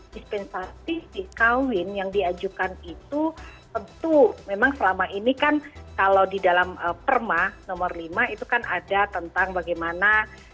dispensasi si kawin yang diajukan itu tentu memang selama ini kan kalau di dalam perma nomor lima itu kan ada tentang bagaimana